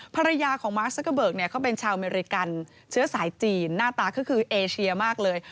ภรรยาของมาร์ซักเกอร์เบิกเนี่ยเขาเป็นชาวอเมริกันเชื้อสายจีนหน้าตาก็คือเอเชียมากเลย